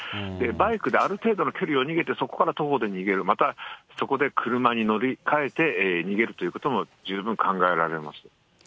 バイクである程度の距離を逃げて、そこから徒歩で逃げる、またそこで車に乗りかえて逃げるということも十分考えられますね。